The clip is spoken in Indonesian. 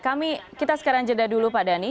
kami kita sekarang jeda dulu pak dhani